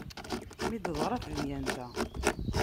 Mi d-teḍra tedyant-a.